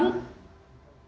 nggak terlalu banyak yang bilang